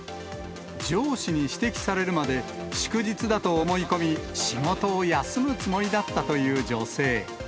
上司に指摘されるまで、祝日だと思い込み、仕事を休むつもりだったという女性。